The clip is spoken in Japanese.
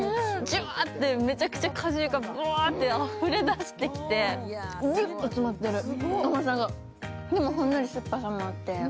じわって、めちゃくちゃ果汁があふれ出してきてギュッと詰まってる、甘さが、でもほんのり酸っぱさもあって。